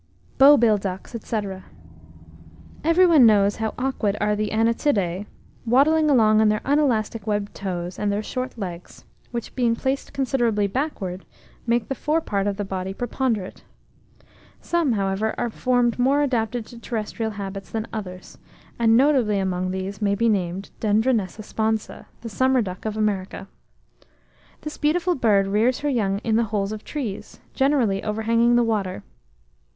] Bow BILL DUCKS, &c. Every one knows how awkward are the Anatidae, waddling along on their unelastic webbed toes, and their short legs, which, being placed considerably backward, make the fore part of the body preponderate. Some, however, are formed more adapted to terrestrial habits than others, and notably amongst these may be named Dendronessa sponsa, the summer duck of America. This beautiful bird rears her young in the holes of trees, generally overhanging the water.